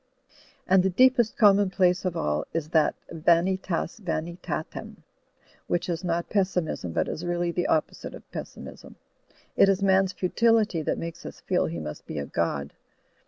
And the deepest commonplace of all is that Vanitas Vanitatem, which is not pessimism but is really the opposite of pessimism. It is man's futility that makes us feel he must be a god.